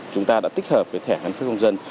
chúng ta đã tích hợp với thẻ căn cước công dân